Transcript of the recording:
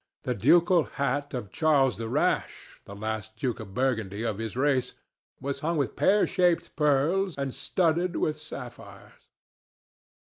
The ducal hat of Charles the Rash, the last Duke of Burgundy of his race, was hung with pear shaped pearls and studded with sapphires.